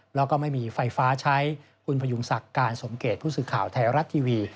แล้วก็ไม่มีไฟฟ้าใช้คุณพยุงศักดิ์การสมเกตผู้สื่อข่าวไทยรัฐทีวี